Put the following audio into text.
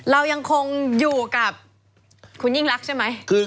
เรายังคงอยู่กับคุณยิ่งรักใช่ไหม